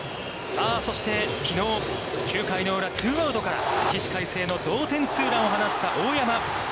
さあそして、きのう９回裏ツーアウトから起死回生の同点ツーランを放った大山。